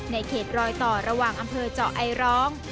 เขตรอยต่อระหว่างอำเภอเจาะไอร้อง